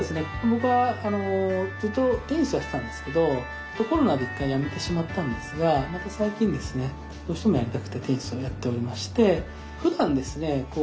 僕はずっとテニスをやってたんですけどコロナで一回やめてしまったんですがまた最近ですねどうしてもやりたくてテニスをやっておりまして普段ですね